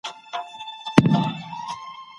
په کور کې د چا پر حق تېری نه کېږي.